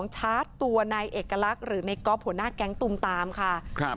ชาร์จตัวในเอกลักษณ์หรือในก๊อบหัวหน้าแกงตูมตามค่ะ